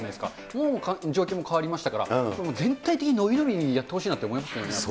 もう状況も変わりましたから、全体的に伸び伸びやってほしいなと思いますね。